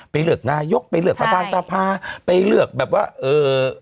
เลือกนายกไปเลือกประธานสภาไปเลือกแบบว่าเอ่อ